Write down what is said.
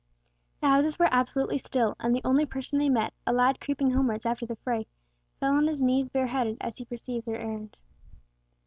The houses were absolutely still, and the only person they met, a lad creeping homewards after the fray, fell on his knees bareheaded as he perceived their errand.